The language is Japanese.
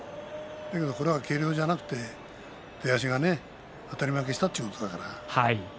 これは軽量じゃなくて出足があたり負けしたということだから。